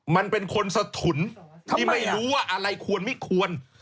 มันเป็นคนสถุนที่ไม่รู้ว่าอะไรควรไม่ควร